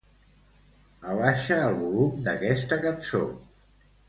Abaixa el volum d'aquesta cançó.